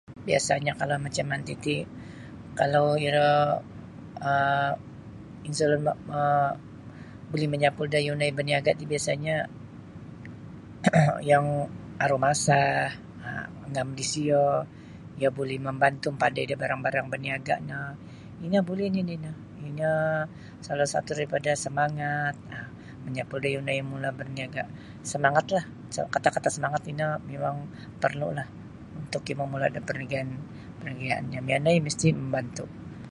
Biasanya kalau macam manti ti kalau iro um misalnyo um buli menyapul da yunai beniaga ti biasanya yang aru masa um ngam disiyo dia buli membantu mempandai barang-barang beniaganyo ino buli nini ino. ino salah satu daripada semangat um menyapul da yunai mula berniaga semangatlah so kata-kata semangat ino mimang perlulah untuk okoi memulakan perniagaan mengia yang mianai mesti membantu.